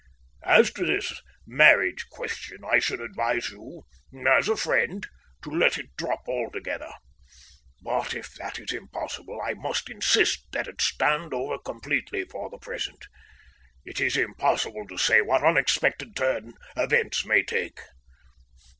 As to this marriage question, I should advise you as a friend to let it drop altogether, but if that is impossible I must insist that it stand over completely for the present. It is impossible to say what unexpected turn events may take.